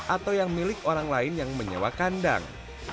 atau yang milik orang lain yang menyewa kandang